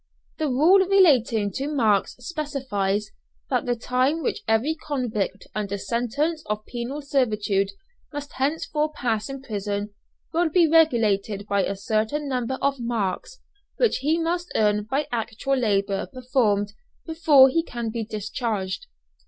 The rule relating to marks specifies "That the time which every convict under sentence of penal servitude must henceforth pass in prison will be regulated by a certain number of marks, which he must earn by actual labour performed before he can be discharged."